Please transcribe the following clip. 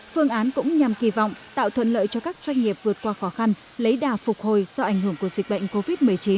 phương án cũng nhằm kỳ vọng tạo thuận lợi cho các doanh nghiệp vượt qua khó khăn lấy đà phục hồi do ảnh hưởng của dịch bệnh covid một mươi chín